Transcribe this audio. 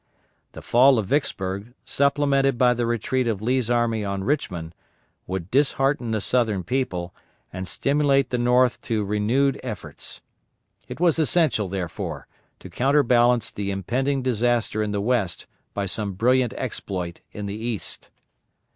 The fall of Vicksburg, supplemented by the retreat of Lee's army on Richmond, would dishearten the Southern people, and stimulate the North to renewed efforts. It was essential, therefore, to counterbalance the impending disaster in the West by some brilliant exploit in the East.